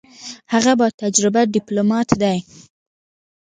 هغه با تجربه ډیپلوماټ دی.